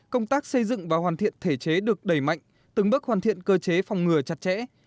công tác xây dựng và hoàn thiện thể chế được đẩy mạnh từng bước hoàn thiện cơ chế phòng ngừa chặt chẽ